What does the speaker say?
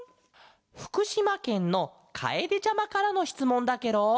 ふくしまけんのかえでちゃまからのしつもんだケロ。